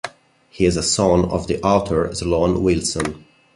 He is a son of the author Sloan Wilson.